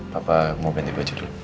papa mau panti baju dulu